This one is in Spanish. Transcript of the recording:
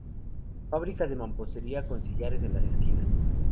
Fábrica de mampostería con sillares en las esquinas.